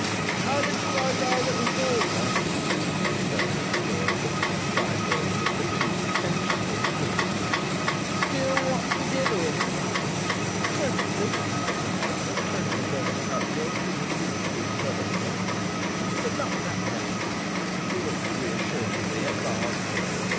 "How did you like our little doorter?" The seventh door looked sideways at the two and chuckled wick¬ edly. "Still want to get in?" "Certainly," said Notta, turning a dozen cartwheels to relieve his nervousness, "but not that way." He winked reassuringly at Bob.